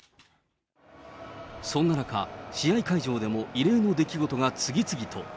そんな中、試合会場でも異例の出来事が次々と。